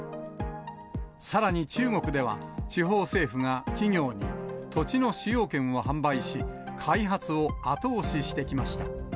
さらに中国では、地方政府が企業に土地の使用権を販売し、開発を後押ししてきました。